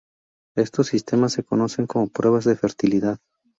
Estos sistemas se conocen como pruebas de fertilidad.